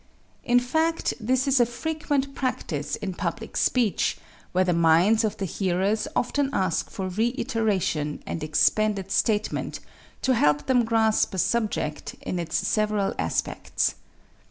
In fact, this is a frequent practise in public speech, where the minds of the hearers often ask for reiteration and expanded statement to help them grasp a subject in its several aspects.